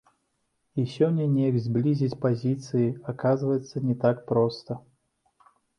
І сёння неяк зблізіць пазіцыі, аказваецца, не так проста.